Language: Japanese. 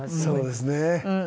そうですね。